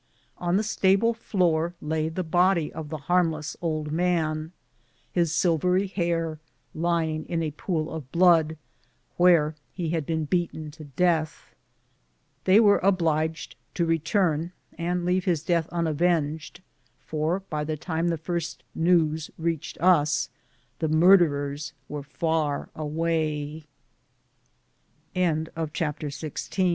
On the stable floor lay the body of the harmless old man, his silvery hair lying in a pool of blood, where he had been beaten to death. They were obliged to return and leave his death unavenged, for by the time the first news reached us the murderers were f